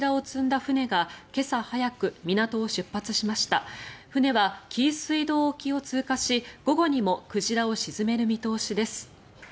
船は紀伊水道沖を通過し午後にも鯨を沈める見通しです。